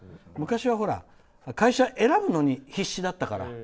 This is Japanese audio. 会社、選ぶのに必死だったから。